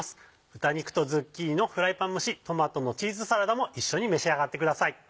「豚肉とズッキーニのフライパン蒸し」「トマトのチーズサラダ」も一緒に召し上がってください。